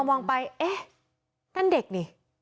มองไปเอ๊ะนั่นเด็กนี่